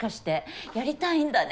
やりたいんだね